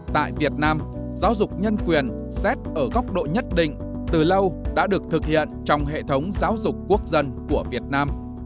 tại việt nam giáo dục nhân quyền xét ở góc độ nhất định từ lâu đã được thực hiện trong hệ thống giáo dục quốc dân của việt nam